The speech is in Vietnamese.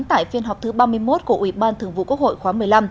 tại phiên họp thứ ba mươi một của ủy ban thường vụ quốc hội khóa một mươi năm